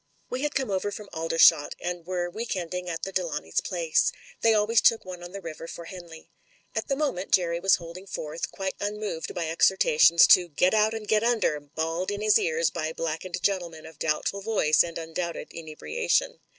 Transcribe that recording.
We had come over from Aldershot and were wedc ending at the Delawnays' place — they always took one on the river for Henley. At the moment Jerry was holding forth, quite unmoved by exhortations to "Get out and get under" bawled in his ears by black ened gentlemen of doubtful voice and undoubted inebriation.